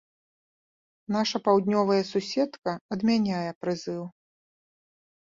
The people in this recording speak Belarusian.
Нашая паўднёвая суседка адмяняе прызыў.